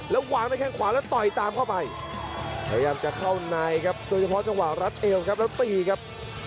แล้ววางด้วยแข้งขวาแล้วต่อยตามเข้าไปพยายามจะเข้าในครับโดยเฉพาะจังหวะรัดเอวครับแล้วตีครับ